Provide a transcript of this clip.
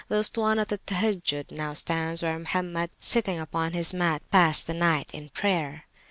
The Ustuwanat al Tahajjud now stands where Mohammed, sitting upon his mat, passed the night in prayer.